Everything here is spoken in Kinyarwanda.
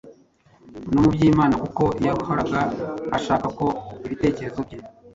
no mu by’Imana kuko yahoraga ashaka ko ibitekerezo bye